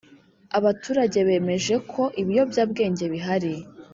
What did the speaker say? abaturage bemeje ko ibiyobyabwenge bihari